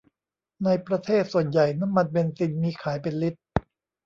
ในประเทศส่วนใหญ่น้ำมันเบนซินมีขายเป็นลิตร